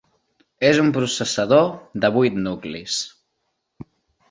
És un processador de vuit nuclis.